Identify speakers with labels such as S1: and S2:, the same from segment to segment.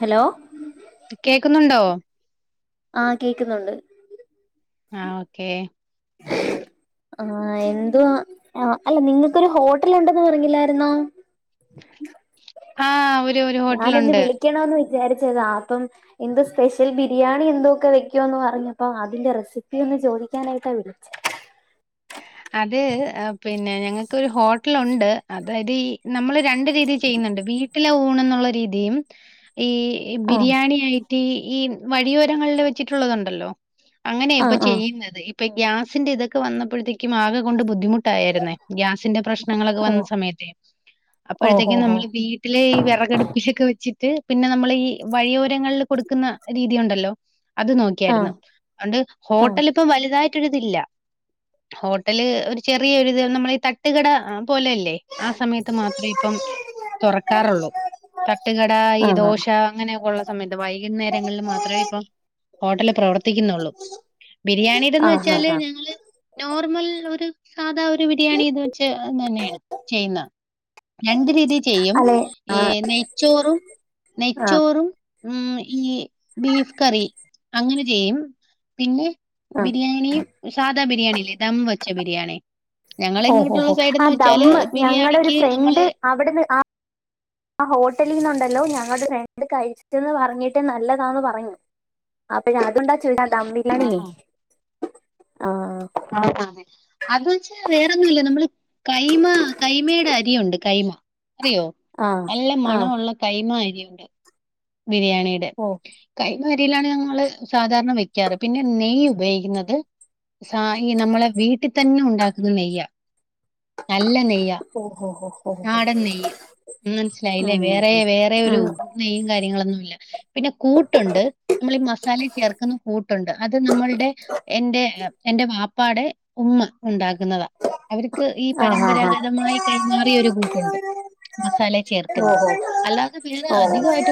S1: Hello
S2: കേക്കുന്നുണ്ടോ?
S1: ആഹ് കേക്കുന്നുണ്ട്
S2: ആഹ് ഓക്കേ [unintelligible]
S1: ആഹ് എന്തുവാ ആഹ് അല്ല നിങ്ങൾക്കൊരു ഹോട്ടൽ ഉണ്ടെന്ന് പറഞ്ഞില്ലായിരുന്നോ
S2: ആഹ് ഒരു ഒരു ഹോട്ടല് ഉണ്ട്
S1: വിളിക്കണംന്ന് വിചാരിച്ചതാ അപ്പം എന്തോ സ്പെഷ്യൽ ബിരിയാണി എന്തോക്കെ വെക്കോന്ന് പറഞ്ഞപ്പോ അതിന്റെ റെസിപ്പി ഒന്ന് ചോദിക്കാനായിട്ടാ വിളിച്ചേ
S2: അത് പിന്നെ ഞങ്ങൾക്കൊരു ഹോട്ടല് ഉണ്ട് അതായത് ഈ നമ്മൾ രണ്ട് രീതി ചെയ്യുന്നുണ്ട് വീട്ടിലെ ഊണ് എന്നുള്ള രീതിയും ഈ
S1: ആഹ്
S2: ബിരിയാണി ഐ- ഈ ഈ വഴിയോരങ്ങളിൽ വെച്ചിട്ടുള്ളതുണ്ടല്ലോ അങ്ങനെയ ഇപ്പൊ
S1: ആഹ് ആഹ്
S2: ചെയ്യുന്നത് ഇപ്പ ഗ്യാസിന്റെ ഇതൊക്കെ വന്നപ്പോഴേത്തെക്കും ആകെ കൊണ്ട് ബുദ്ധിമുട്ട് രുന്നെ ഗ്യാസിന്റെ പ്രശ്നങ്ങളൊക്കെ വന്ന
S1: ഓഹ്
S2: സമയത്ത്
S1: ഓഹോ
S2: അപ്പോഴത്തേക്കും
S1: ഹോ
S2: നമ്മള് വീ ട്ടിലെ ഈ വിറകടുപ്പിലോക്കെ വെച്ചിട്ട് പിന്നെ നമ്മൾ ഈ വഴിയോരങ്ങളിൽ കൊടുക്കുന്ന രീതി ഉണ്ടല്ലോ അത് നോക്കിയായിരുന്നു
S1: ആഹ്
S2: അതുകൊണ്ട്
S1: ആഹ്
S2: ഹോട്ടല് ഇപ്പം വലുതായിട്ടൊരിതില്ല ഹോട്ടല് ഒരു ചെറിയൊരിത് നമ്മൾ ഈ തട്ടുകട പോലെല്ലേ ആ സമയത്ത് മാത്രം ഇപ്പം തുറക്കാറുള്ളൂ തട്ടുകട ഈ
S1: ആഹ് ആഹ്
S2: ദോശ അങ്ങനെയൊക്കെ ഉള്ള സമയത്ത് വൈകുന്നേരങ്ങളിൽ മാത്രമേ ഇപ്പൊ ഹോട്ടല് പ്രവർത്തിക്കുന്നുള്ളു ബിരിയാണിയുടെന്ന്
S1: ആഹ്
S2: വെച്ചാല്
S1: ആഹ് ആഹ്
S2: ഞങ്ങള് നോർമൽ ഒരു സാധാ ഒരു ബിരിയാണി ഇത് വെച്ച് തന്നെയാണ് ചെയ്യുന്ന രണ്ട് രീതി ചെയ്യും
S1: അല്ലെ
S2: ഈ
S1: ആഹ്
S2: നെയ്ച്ചോറും
S1: ആഹ്
S2: നെയ്ച്ചോറും ഉം ഈ ബീഫ് കറി അങ്ങനെ ചെയ്യും പിന്നെ
S1: ആഹ്
S2: ബിരിയാണിയും സാദാ ബിരിയാണിയില്ലേ ദം വച്ച ബിരിയാണി ഞങ്ങള്
S1: ഓഹോ ഹോ
S2: ഇങ്ങോട്ടുള്ള
S1: ഹോ ആ
S2: സൈഡ്ന്ന് വെച്ചാല്
S1: ദമ്മ് ഞങ്ങടെ ഒരു
S2: ബിരിയാണിക്ക്
S1: ഫ്രണ്ട്
S2: നമ്മള്
S1: അവിടുന്ന് ആഹ് ആ ഹോട്ടലിൽ നിന്നുണ്ടല്ലോ ഞങ്ങുടെ രണ്ട് കഴിചിട്ട് ന്ന് പറഞ്ഞിട്ട് നല്ലതാന്ന് പറഞ്ഞു അപ്പഴ അത്ണ്ടാ ചോദിച്ചത് ദംമ്പിരിയാണി
S2: ആണോ
S1: ആഹ്
S2: ആഹ് അതെ അത് വെച്ചാ വേറെന്നുല്ല നമ്മള് കൈമ കൈമയുടെ അരിയുണ്ട് കൈമ അറിയോ
S1: ആ
S2: നല്ല
S1: ആ
S2: മണം ഉള്ള കൈമാ അരിണ്ട് ബിരിയാണിയുടെ
S1: ഓ
S2: കൈമ അരിയിലാണ് ഞങ്ങള് സാധാരണ വെക്കാറ് പിന്നെ നെയ് ഉപയോഗിക്കുന്നത്. സ ഈ നമ്മളെ വീട്ടിൽ തന്നെ ഉണ്ടാക്കുന്ന നെയ്യാ നല്ല നെയ്യാ
S1: ഓ ഹോ ഹോ ഹോ ഹോ
S2: നാടന് നെയ്യ് മനസിലായില്ലേ
S1: ഉം
S2: വേറെ
S1: ഉം
S2: വേറെ ഒരു
S1: ഉം
S2: നെയ്യും കാര്യ കാര്യങ്ങളൊന്നൂല്ല പിന്നെ കൂട്ടുണ്ട് നമ്മൾ ഈ മസാല ചേർക്കുന്ന കൂട്ടുണ്ട് അത് നമ്മള്ടെ എന്റെ എന്റെ വാപ്പാടെ ഉമ്മ ഉണ്ടാക്കുന്നതാ അവർക്ക് ഈ
S1: ആ ഹാ ഹാ
S2: പരമ്പരാഗതമായി കൈമാറിയൊരു കൂട്ടുണ്ട് മസാല ചേർക്ക്‌ ൽ അല്ലാതെ ഫില്ല്
S1: ഓഹോ ഓ
S2: അധികമായിട്ട്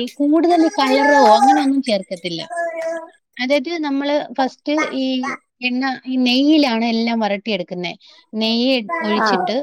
S2: ഈ കൂടുതൽ ഈ കളറോ അങ്ങനെ ഒന്നും ചേർക്കത്തില്ല എല്ലാറ്റിലും നമ്മള് ഫസ്റ്റ് ഈ എണ്ണ ഈ നെയ്യിലാണ് എല്ലാം വരട്ടിയെടുക്കുന്നെ നെയ്യ്
S1: ആ
S2: ഒഴിച്ചിട്ട്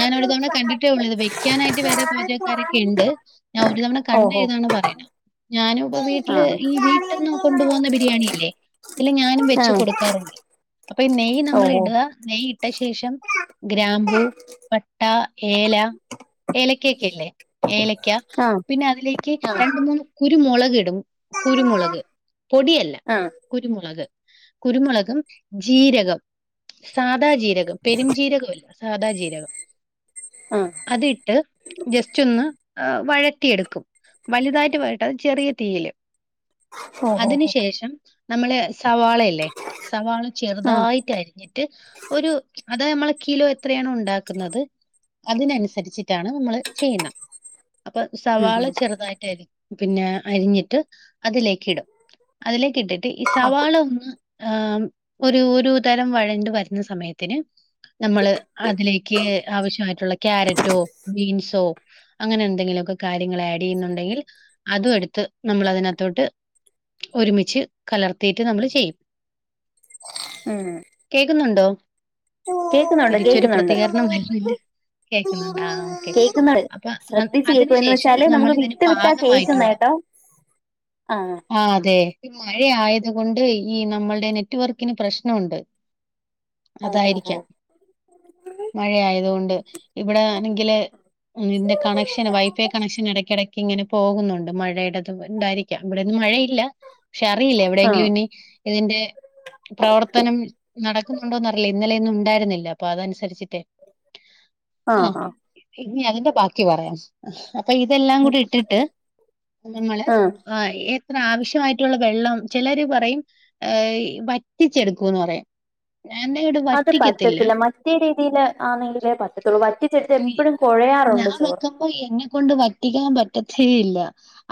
S2: ഞാൻ ഒരു തവണ കണ്ടിട്ടേ ഉള്ളൂ ഇത് വെക്കാനായിട്ട് വേറെ പാചകക്കാരൊക്കെ ഉണ്ട് ഞാൻ ഒരു തവണ
S1: ഓഹോ
S2: കണ്ട താണ് പറയേണെ ഞാനും ഇപ്പ വീട്ടില് ഈ വീട്ട്ന്നും കൊണ്ടുപോകുന്ന
S1: ആ
S2: ബിരിയാണില്ലേ അതില് ഞാനും
S1: ആ
S2: വെച്ച് കൊടുക്കാറുണ്ട് അപ്പൊ ഈ നെയ്യ് നമ്മൾ
S1: ഓഹോ
S2: ഇട നെയ്യ് ഇട്ട ശേഷം ഗ്രാമ്പൂ പട്ട ഏല ഏലക്കൊക്കെ ഇല്ലേ ഏലക്ക
S1: ആ
S2: പിന്നെ അതിലേക്ക്
S1: ആ
S2: രണ്ട് മൂന്ന് കുരുമുളക് ഇടും കുരുമുളക് പൊടിയല്ല
S1: ആ
S2: കുരുമുളക് കുരുമുളകും ജീരകം സാദാ ജീരകം പെരുംജീരകല്ല സാദാ ജീരകം
S1: ആഹ
S2: അതിട്ട് ജസ്റ്റ് ഒന്ന് ഹ് വഴറ്റിയെടുക്കും വലുതായിട്ട് വരട്ട് അത് ചെറിയ തീയില്
S1: ഓ ഓ
S2: അതിനു
S1: ഓ
S2: ശേഷം നമ്മള് സവാളയല്ലേ സവാള
S1: ആ
S2: ചെറുതായിട്ട് അരിഞ്ഞി ഒരു അതായ നമ്മളെ കിലോ എത്രയാണ് ഉണ്ടാക്കുന്നത് അതിനനുസരിച്ചിട്ടാണ് നമ്മള് ചെയ്യുന്നത് അപ്പൊ
S1: ഉം
S2: സവാള്
S1: ഉം
S2: ചെറുതായിട്ടരി പിന്നെ അരിഞ്ഞിട്ട് അതിലേക്ക് ഇടും അതിലേക്ക് ഇട്ടിട്ട് ഈ സവാള ഒന്ന് ആഹ ഒരു ഒരു തരം വഴണ്ട വരുന്ന സമയത്തിന് നമ്മള് അതിലേക്ക് ആവശ്യമായിട്ടുള്ള ക്യാരറ്റോ ബീൻസോ അങ്ങനെ എന്തെങ്കിലുമൊക്കെ കാര്യങ്ങള് ആഡ്യ്യുന്നുണ്ടെങ്കിൽ അതും എടുത്ത് നമ്മള് അതിനകത്തോട്ട് ഒരുമിച്ച് കലർത്തിയിട്ട് നമ്മള് ചെയ്യും
S1: ഉം
S2: കേക്കുന്നുണ്ടോ
S1: കേക്കുന്നുണ്ട്
S2: തിരിച്ചൊരു
S1: കേക്കുന്നുണ്ട്
S2: പ്രതികരണം വരുന്നില്ല കേൾക്കുന്നുണ്ട്ആ ഓക്കെ
S1: കേക്കുന്നുണ്ട്
S2: അപ്പൊ
S1: ശ്രദ്ധിച്ച്
S2: അതിനു
S1: കേൾക്കുവ എന്ന്
S2: ശേഷം
S1: വെച്ചാല്
S2: നമ്മള്
S1: നമുക്ക്
S2: ഇതിന്
S1: വിട്ട് വിട്ടാ കേൾക്കുന്ന
S2: പാകമായിട്ടുള്ള
S1: കേട്ടോ ആ
S2: ആഹ അതെ ഈ മഴ ആയത കൊണ്ട് ഈ നമ്മളുടെ നെറ്റ്വർക്കിന് പ്രശ്നുണ്ട്
S1: ആ
S2: അതായിരിക്കാം മഴയായതുകൊണ്ട് ഇവിടെ ആണെങ്കില് ഇതിൻ്റെ കണക്ഷന് വൈഫൈ കണക്ഷൻ ഇടക്കിടയ്ക്ക് ഇങ്ങനെ പോകുന്നുണ്ട് മഴയുടെത് ഉണ്ടായിരിക്കാം ഇവിടെൊന്നും മഴയില്ല പക്ഷെ അറിയില്ല
S1: ആ
S2: എവിടെയെങ്കിലും ഇനി ഇതിൻ്റെ പ്രവർത്തനം നടക്കുന്നുണ്ടോന്ന അറില്ല ഇന്നലെൊന്നും ഉണ്ടായിരുന്നില്ല അപ്പൊ അതനുസരിച്ചിട്ടെ
S1: ആ
S2: ആഹ ഇനി അതിന്റെ ബാക്കി പറയാം അപ്പൊ ഇതെല്ലാം കൂടി ഇട്ടിട്ട് നമ്മള്
S1: ആ
S2: ആഹ എത്ര ആവശ്യമായിട്ടുള്ള വെള്ളം ചിലര് പറയും വറ്റിച്ചെടുക്കൂന്ന് പറയാം എന്താെും [unintelligible]
S1: അത് പറ്റത്തില്ല മറ്റേ രീതിയിൽ ആണെങ്കിലേ പറ്റത്തുള്ളൂ വറ്റ ചെടുത്ത് എപ്പോഴും കുഴയാറുണ്ട് ചോറ്
S2: ഓഹ് എന്നെ കൊൊണ്ട് വറ്റിക്കാൻ പറ്റത്തെ യില്ല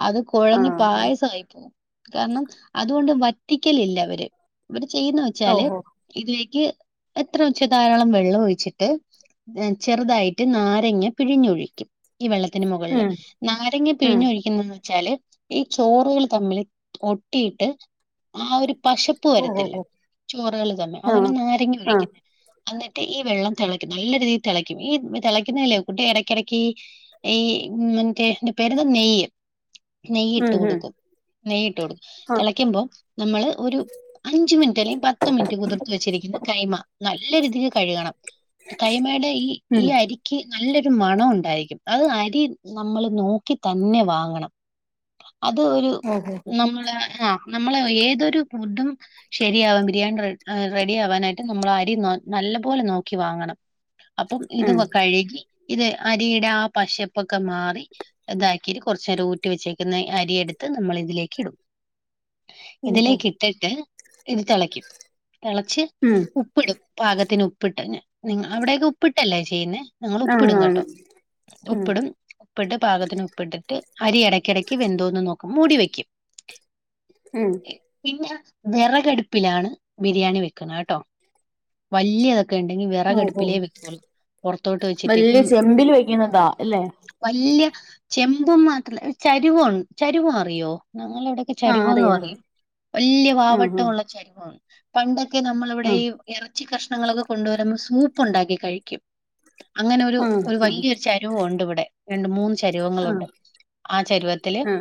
S2: അത്
S1: ആ
S2: കുഴഞ്ഞഞ്
S1: ആ
S2: പായസമായിപ്പോവും കാരണം അതുകൊണ്ട് വറ്റിക്കലില്ല അവര് ഇര് ചെയ്യുന്ന വെച്ചാല്
S1: ഓഹോ
S2: ഇതിലേക്ക് എത്ര ഉച്ച ധാരാളം വെള്ളം ഒഴിച്ചിട്ട് എഹ് ചെറുതായിട്ട് നാരങ്ങ പിഴിഞ്ഞൊഴിക്കും ഈ വെള്ളത്തിന് മുകളില്
S1: ഉം
S2: നാരങ്ങ
S1: ഉം
S2: പിഴിഞ്ഞൊഴിക്കുന്നന്ന് വെച്ചാല് ഈ ചോറുകൾ തമ്മിൽ ഒട്ടിയിട്ട് ആ ഒരു പശ ഉപ്പ് വരത്തില്ല ചോറുകള് തന്നെ
S1: ആ
S2: അതന്ന നാരങ്ങി
S1: ആ
S2: ഒഴിക്കുന്നത് എന്നിട്ട് ഈ വെള്ളം തിളക്കും നല്ല രീതിയിൽ തിളക്കും ഈ തിളക്കുന്നതിലെ കുട്ട് ഇടയ്ക്കിടയ്ക്ക് ഈ മറ്റേ ന്റെ പേര്ന്ത നെയ്യ് നെയ്യ് ഇട്ട്
S1: ഉം ഉം
S2: കൊടുക്കും നെയ്യ്ട്ട് കൊടു
S1: ആ
S2: തിളയ്ക്കുമ്പോ നമ്മള് ഒരു അഞ്ചു മിനിറ്റ് അല്ലെ പത്ത് മിനിറ്റ് കുതിർത്ത് വെച്ചിരിക്കുന്ന കൈമ നല്ല രീതിൽ കഴുകണം കൈമയുടെ ഈ ഈ
S1: ഉം
S2: അരി ക്ക് നല്ലൊരു മണ ഉണ്ടായിരിക്കും അത് അരി നമ്മള് നോക്കി തന്നെ വാങ്ങണം അത് ഒരു നമ്മള് ആഹ് നമ്മള് ഏതൊരു ഫുഡഡും ശരിയാവാം ബിരിയാണി റെഡി ആവാനായിട്ട് നമ്മൾ അരി നല്ല പോലെ നോക്കി വാങ്ങണം അപ്പം ഇത് കഴുകി ഇത് അരിയുടെ ആ പശപ്പൊക്കെ മാറി ഇതാക്കിയിട്ട് കൊർച്ചേരം ഊറ്റി വെച്ചേക്കുന്ന അരിയടുത്ത് നമ്മള് ഇതിലേക്ക് ഇടും
S1: ഉം
S2: ഇതിലേക്ക് ഇട്ടിട്ട് ഇത് തിളയ്ക്കും തിളച്ച്
S1: ഉം
S2: ഉ ഉപ്പിടും പാകത്തിന് ഉപ്പിട്ട് നി അവിടയൊക്കെ ഉപ്പിട്ടല്ലേ ചെയ്യുന്നെ ഞങ്ങള്
S1: ആ ആണ്
S2: ഉപ്പിടും
S1: ആണ്
S2: കേട്ടോ
S1: ഉം
S2: ഉപ്പിടും ഉപ്പിട്ട് പാകത്തിന് ഉപ്പിട്ടിട്ട് അരി ഇടയ്ക്കിടക്ക് വെന്തോന്ന് നോക്കും മൂടി വെക്കും
S1: ഉം.
S2: പിന്നെ വെറകടുപ്പിലാണ് ബിരിയാണി വെക്കുന്നത് കേട്ടോ വല്ല്യ ക്കെണ്ടെങ്കി
S1: ഓഹോ
S2: വിറകടുപ്പിലേ വെക്കുള്ളൂ പുറത്തോട്ട് വെച്ചിട്ട് പ്പം.
S1: [unintelligible] അല്ലെ
S2: വല്യ ചെമ്പും മാത്രല് ചരിവൊൻ ചരിവ് മറിയോ ഞങ്ങളടെ. കെ
S1: ആ അറിയാം അറിയാം
S2: ചരുവന്നറിയും വല്യ വാവട്ടമുള്ള ചരുവാണ് പണ്ടൊക്കെ
S1: ആ
S2: നമ്മളിവിടെ
S1: ആ
S2: ഈ. ഇറച്ചി കഷ്ണങ്ങളൊക്കെ കൊണ്ട് വരുമ്പോൾ സൂപ്പ് ഉണ്ടാക്കി കഴിക്കും അങ്ങനെ ഒരു
S1: ആ ആ
S2: വല്യ ചരു രുവുണ്ട് ഇവിടെ രണ്ട് മൂന്ന് ചരുവങ്ങളുണ്ട്
S1: ആ
S2: ആ ചരുവത്തില്.
S1: ആ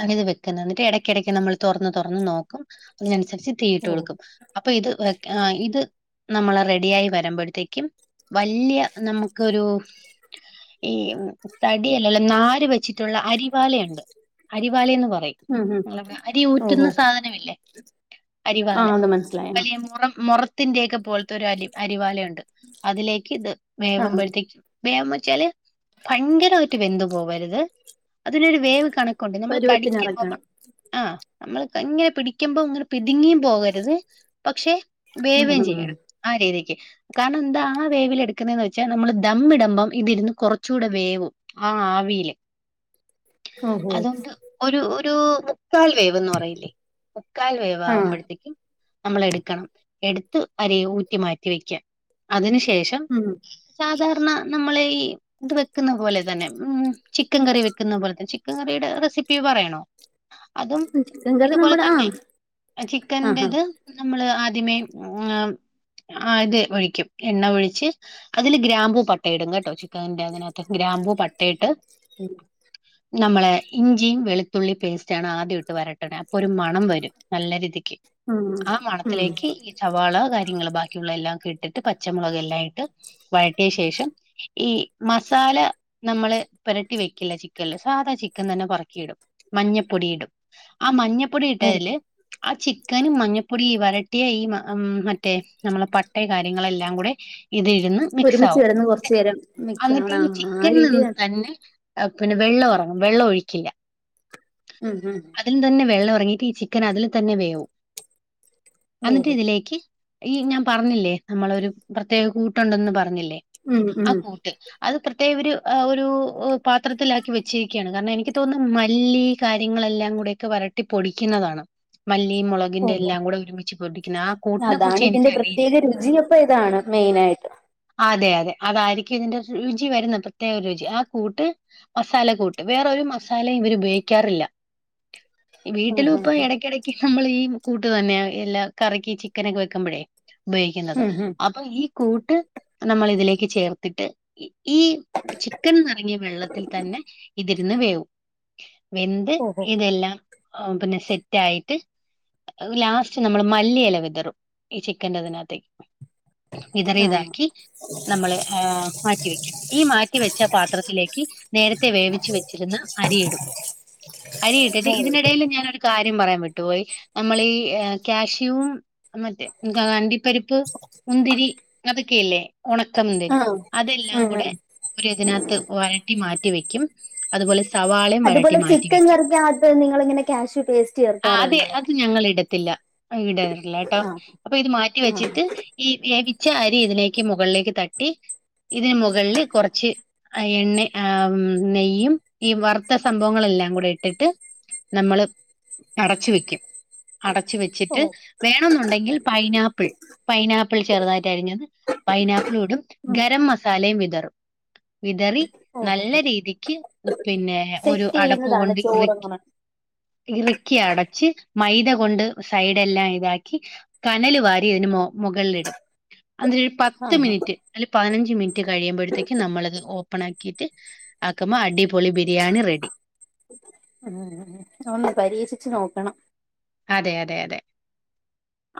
S2: ആണ് ഇത് വെക്കുന്നത് എന്നിട്ട് ഇടയ്ക്കിടക്ക് നമ്മൾ തുറന്ന് തുറന്ന് നോക്കും അതിനനുസരിച്ച് തീയിട്ടു
S1: ഓ
S2: കൊടുക്കും. അപ്പൊ ഇത് ഇത് നമ്മൾ റെഡി ആയി വരുമ്പോയ്ത്തേക്കും. വല്ല്യ നമുക്കൊരു. ഈ തടിയല്ലല്ല നാര് വെച്ചിട്ടുള്ള അരിവാലയുണ്ട് അരിവാലയന്ന് പറയും.
S1: ഉം ഉം
S2: അരി ഊറ്റുന്ന
S1: ഓഹോ
S2: സാധനമില്ലേ
S1: ആ
S2: അരിവാല
S1: അത് മനസ്സിലായി ആ
S2: വലിയ മുറം മുറ ത്തിന്റെക്കെ പോൽത്തെരു അരി അരിവാലയുണ്ട് അതിലേക്ക് ഇത്
S1: ആ
S2: വേവമ്പോഴത്തേക്കും വേവ ച്ചാല് ഭയങ്കരവായിട്ട് വെന്ത് പോവരുത്. അതിനൊരു വേവ് കണക്കുണ്ട് നമ്മൾ കടിക്കുമ്പോ മ്മൾ
S1: പരുവത്തിനിറക്കണം
S2: ആ നമ്മൾ ഇങ്ങനെ പിടിക്കുമ്പോ ഇങ്ങട് പിതുങ്ങിയും പോകരുത് പക്ഷെ
S1: ഉം
S2: വേവയും
S1: ഉം ഉം
S2: ചെയ്യണം. ആ രീതിക്ക് കാരണം എന്താ ആ വേവിൽ എടുക്കുന്നന്ന് വെച്ചാ നമ്മള് ദമ്മിടുമ്പം. ഇതിരുന്ന് കുറച്ചുകൂടെ വേവും ആ ആവിയില്
S1: ഓഹോ
S2: അതുകൊണ്ട്. ഒരു ഒരു മുക്കാൽ വേവ്ന്ന് പറയില്ലേ മുക്കാൽ വേവ്
S1: ആ
S2: ആവുമ്പോഴത്തേക്കും. നമ്മള എടുക്കണം എടുത്ത് അരി ഊറ്റി മാറ്റി വെക്ക അതിന് ശേഷം.
S1: ഉം
S2: സാധാരണ നമ്മള ഈ. ഇത് വെക്കുന്ന പോലെ തന്നെ ഉം ചിക്കൻ കറി വെക്കുന്ന പോലെ തന്നെ ചിക്കൻ കറിയുടെ റെസിപ്പി പറയണോ? അതും
S1: ചിക്കൻ കറി
S2: ഇതുപോലെ
S1: നമ്മുടെ ആ
S2: തന്നെ
S1: ആ ആ
S2: ചിക്കൻറത്. നമ്മള് ആദ്യമേ ആഹ് ഇത് ഒഴിക്കും എണ്ണ ഒഴിച്ച് അതില് ഗ്രാമ്പൂ പ ട്ട ഇടും കേട്ടോ ചിക്കൻന്റെ അതിനകത്ത് ഗ്രാമ്പൂ പട്ടയിട്ട്.
S1: ഉം.
S2: റ്റം നമ്മളെ ഇഞ്ചിയും വെളുത്തുള്ളി പേസ്റ്റ് ആണ് ആദ്യം ഇട്ട് വരട്ടണെ അപ്പൊ ഒരു മണം വരും നല്ല രീതി ക്ക്
S1: ഉം
S2: ആ
S1: ഉം
S2: മണത്തിലേക്ക് ഇത്. സവാള കാര്യങ്ങൾ ബാക്കിയുള്ള എല്ലാം ഒക്കെ ഇട്ടിട്ട് പച്ചമുളക് എല്ലാം ഇട്ട് വഴറ്റിയ ശേഷം. ഈ മസാല നമ്മള് പുരട്ടി വെക്കില്ല ചിക്കനില് സാദാ ചിക്കൻ തന്നെ പെറുക്കിയിടും. മഞ്ഞപ്പൊടി ഇടും ആ മഞ്ഞപ്പൊടി
S1: ഓ
S2: ഇട്ടതില്. ആ ചിക്കനും മഞ്ഞപ്പൊടിയും വരട്ടിയ ഈ മ മറ്റേ നമ്മള് പട്ട കാര്യങ്ങളെല്ലാം കൂടെ. ഇതിരുന്ന് മിക്സ്
S1: ഒരുമിച്ച്
S2: ആവും
S1: കിടന്ന് കുറച്ചു നേരം മിക്സ്
S2: എന്നിട്ട് ഈ
S1: ആവണം ആ
S2: ചിക്കൻ
S1: രീതി
S2: നിന്ന് തന്നെ. പിന്നെ വെള്ളം ഇറങ്ങും വെള്ളം ഒഴിക്കില്ല.
S1: ഉം ഉം.
S2: അതിൽ തന്നെ വെള്ളം ഇറങ്ങിട്ട് ഈ ചിക്കൻ അതിൽ തന്നെ വേവും എന്നിട്ട്
S1: ഓഹോ
S2: ഇതിലേക്ക്. ഈ ഞാൻ പറഞ്ഞില്ലേ നമ്മള ഒരു പ്രത്യേക കൂട്ടുണ്ടന്ന് പറഞ്ഞില്ലേ
S1: ഉം
S2: ആ
S1: ഉം
S2: കൂട്ട്. അത് പ്രത്യേക ഒരു ആ ഒരു പാത്രത്തിലാക്കി വെച്ചിരിക്ക്യാണ് കാരണം എനിക്ക് തോന്നുന്നു മല്ലി. കാര്യങ്ങളെല്ലാം കൂടെക്കെ വരട്ടി പൊടിക്കുന്നതാണ് മല്ലി മുളക്. തിന്റെ
S1: ഓഹോ
S2: എല്ലാം കൂടെ ഒരുമിച്ച് പൊടിക്കുന്ന ആ കൂട്ടിനെ
S1: അതാണ്
S2: കുറിച്ച്
S1: ഇതിന്റെ
S2: എനിക്കറിയില്ല.
S1: പ്രത്യേക രുചിയപ്പ ഇതാണ് മെയിനായിട്ട്
S2: അതെ അതെ അതായിരിക്കും ഇതിന്റെ രുചി വരുന്ന പ്രത്യേക രുചി ആ കൂട്ട്. മസാല കൂട്ട് വേറൊരു മസാല ഇവർ ഉപയോഗിക്കാറില്ല.
S1: ആ
S2: വീട്ടിലും
S1: ആ
S2: ഇപ്പ
S1: ആ
S2: ഇടയ്ക്കിടയ്ക്ക് നമ്മൾ ഈ കൂട്ട് തന്നെയ എല്ലാ കറിക്ക് ചിക്കൻ ഒക്കെ വെക്കുമ്പഴേ. ഉപയോഗിക്കുന്നത്
S1: ഉം ഉം
S2: അപ്പൊ ഈ കൂട്ട് നമ്മൾ ഇതിലേക്ക് ചേർത്തിട്ട് ഈ ചിക്കൻ ന്നറങ്ങിയ വെള്ളത്തിൽ തന്നെ ഇതിരുന്ന് വേവും. വെന്ത്
S1: ഓഹോ
S2: ഇതെല്ലാം പിന്നെ സെറ്റായിട്ട്. ലാസ്റ്റ് നമ്മള് മല്ലി ഇല വിതറും ഈ ചിക്കന്റെ അതിനകത്തേക്ക്
S1: ആ
S2: വിതറിയതാക്കി നമ്മൾ മാറ്റിവെക്കും ഈ മാറ്റിവെച്ച പാത്രത്തിലേക്ക് നേരത്തെ വേവിച്ചു വെച്ചിരുന്ന അരിയിടും അരിയിട്ടിട്ട്
S1: ഓ
S2: ഇതിനിടയിൽ ഞാനാണ് കാര്യം പറയാൻ വിട്ടുപോയി നമ്മളീ ക്യാഷുവും മറ്റേ അണ്ടിപ്പരിപ്പ് മുന്തിരി അതൊക്കെയല്ലേ ഉണക്കമുന്തിരി
S1: ആഹ്
S2: അതെല്ലാം
S1: ഉം
S2: കൂടെ
S1: ഉം
S2: ഒരു ഇതിനകത്ത് വരട്ടി മാറ്റി വെക്കും അതുപോലെ സവാളയും വഴട്ടി
S1: അതുപോലെ ചിക്കൻ
S2: മാറ്റിവെക്കും
S1: കറിക്കകത്ത് നിങ്ങളിങ്ങനെ കാഷ്യൂ പേസ്റ്റ്
S2: ആഹ് അതെ
S1: ചേർക്കാറുണ്ടോ
S2: അത് ഞങ്ങളിട ത്തില്ല ഇടലില്ലാട്ടോ
S1: ആഹ്
S2: അപ്പൊ ഇത് മാറ്റി
S1: ആഹ്
S2: വെച്ചിട്ട് ഈ വേവിച്ച അരി ഇതിലേക്ക് മു മുകളിലേക്ക് തട്ടി ഇതിന് മുകളിൽ കുറച്ച് എണ്ണ ആ നെയ്യും ഈ വറുത്ത സംഭവങ്ങളെല്ലാം കൂടെ ഇട്ടിട്ട് നമ്മള് അടച്ചു വെക്കും അടച്ച്
S1: ഓ
S2: വെച്ചിട്ട് വേണെന്നുണ്ടെങ്കിൽ പൈനാപ്പിൾ പൈനാപ്പിൾ ചെറുതായിട്ട് അരിഞ്ഞത് പൈനാപ്പിളിടും
S1: ഉം
S2: ഗരം മസാലയും വിതറും വിതറി
S1: ഓഹോ
S2: നല്ല രീതിക്ക് പിന്നെ ഒരു
S1: സെറ്റ്
S2: അടപ്പ്
S1: ചെയ്യുന്നതാണ്
S2: കൊണ്ട് ഇറക്കി
S1: ചോറങ്ങനെ
S2: ഇറക്കി അടച്ച് മൈദ കൊണ്ട് സൈഡെല്ലാം ഇതാക്കി കനല് വാരി അതിന് മൊ മുകളിലിടും അതൊരു പ
S1: ആഹ്
S2: അല്ല പതിനഞ്ച് മിനിറ്റ് കഴിയുമ്പോഴത്തേക്ക് നമ്മളത് ഓപ്പൺ ആക്കിയിട്ട് ആക്കുമ്പോ അടി പൊളി ബിരിയാണി റെഡി
S1: ഉ ഒന്ന് പരീക്ഷിച്ച് നോക്കണം
S2: അതെ അതെ അതെ